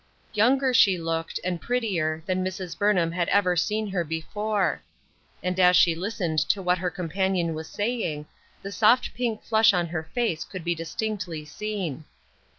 Younger she looked, and prettier, than Mrs. Burnham had ever seen her before ; and as she listened to what her companion was saying, the soft pink flush on her face could be distinctly seen.